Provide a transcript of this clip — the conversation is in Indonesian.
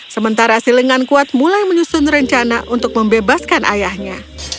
sementara silengan kuat mulai menyusun rencana untuk membebaskan ayahnya